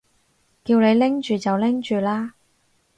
叫你拎住就拎住啦